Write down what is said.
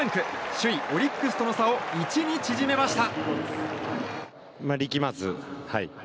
首位オリックスとの差を１に縮めました。